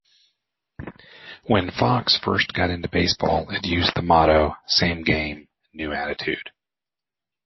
When Fox first got into baseball, it used the motto Same game, new attitude.